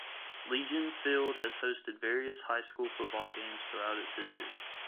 Legion Field has hosted various high school football games throughout its history.